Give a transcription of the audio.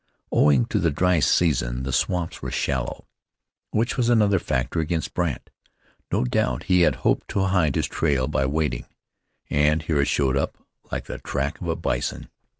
Owing to the dry season the swamps were shallow, which was another factor against Brandt. No doubt he had hoped to hide his trail by wading, and here it showed up like the track of a bison.